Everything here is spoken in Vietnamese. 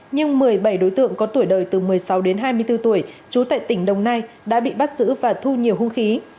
nhưng một mươi bảy đối tượng có tuổi đời từ một mươi sáu đến hai mươi bốn tuổi trú tại tỉnh đồng nai đã bị bắt giữ và thu nhiều hung khí